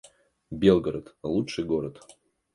Белгород — лучший город